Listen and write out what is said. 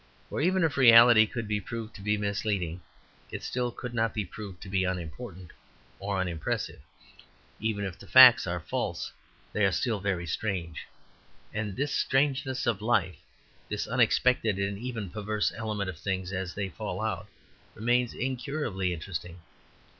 For even if reality could be proved to be misleading, it still could not be proved to be unimportant or unimpressive. Even if the facts are false, they are still very strange. And this strangeness of life, this unexpected and even perverse element of things as they fall out, remains incurably interesting.